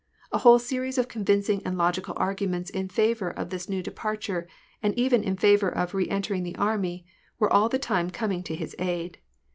A whole series of convincing and logical arguments in favor of this new depart ure, and even in favor of re entering the army, were all the time coming to his aid.